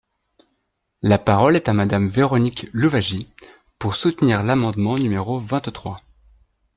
La parole est à Madame Véronique Louwagie, pour soutenir l’amendement numéro vingt-trois.